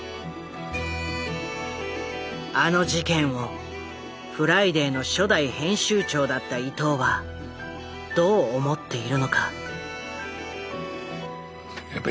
あの事件を「フライデー」の初代編集長だった伊藤はどう思っているのか？